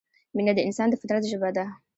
مینه د انسان د فطرت ژبه ده.